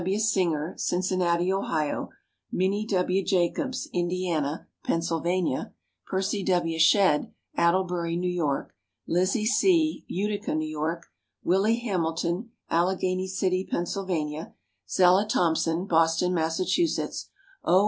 W. Singer, Cincinnati, Ohio; Minnie W. Jacobs, Indiana, Pennsylvania; Percy W. Shedd, Attlebury, New York; Lizzie C., Utica, New York; Willie Hamilton, Alleghany City, Pennsylvania; Zella Thompson, Boston, Massachusetts; O.